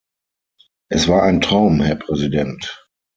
Es war ein Traum, Herr Präsident!